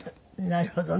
なるほどね。